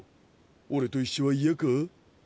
俺と一緒は嫌か？